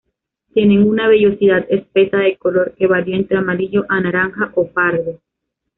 Tienen una vellosidad espesa de color que varía entre amarillo a naranja o pardo.